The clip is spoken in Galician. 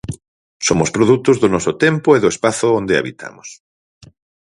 Somos produtos do noso tempo e do espazo onde habitamos.